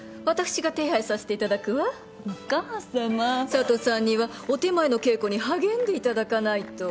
佐都さんにはお点前の稽古に励んでいただかないと。